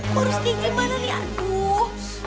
kurus gigi mana nih aduh